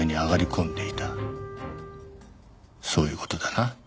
そういう事だな？